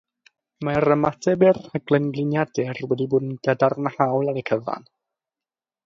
Mae'r ymateb i'r rhaglen gliniadur wedi bod yn gadarnhaol ar y cyfan.